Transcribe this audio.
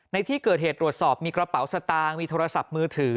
ในที่เกิดเหตุตรวจสอบมีกระเป๋าสตางค์มีโทรศัพท์มือถือ